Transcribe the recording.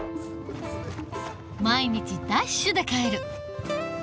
毎日ダッシュで帰る。